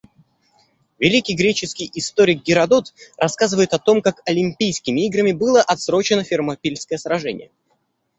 Великий греческий историк Геродот рассказывает о том, как Олимпийскими играми было отсрочено Фермопильское сражение.